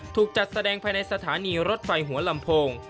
ถูกจัดแสดงภายในสถานีรถไฟหัวลำโพง